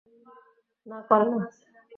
না, করে না।